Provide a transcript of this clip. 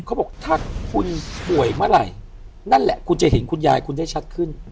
เขาบอกถ้าคุณป่วยเมื่อไหร่นั่นแหละคุณจะเห็นคุณยายคุณได้ชัดขึ้น